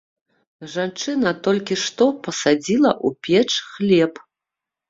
Жанчына толькі што пасадзіла ў печ хлеб.